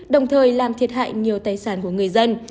đồng thời làm thiệt hại nhiều tài sản của người dân